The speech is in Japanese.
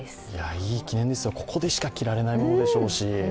いい記念ですよ、ここでしか着られないものでしょうし。